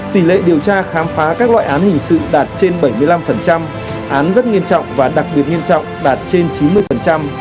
tỷ lệ điều tra khám phá các loại án hình sự đạt trên bảy mươi năm án rất nghiêm trọng và đặc biệt nghiêm trọng đạt trên chín mươi